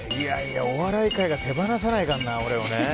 お笑い界が手放さないからな俺を。